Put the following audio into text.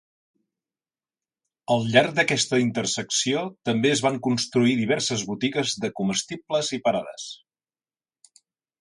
Al llarg d'aquesta intersecció també es van construir diverses botigues de comestibles i parades.